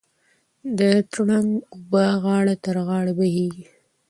د ترنګ اوبه غاړه تر غاړې بهېږي.